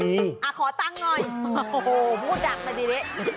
โอ้โฮมูดหักมาทีนี้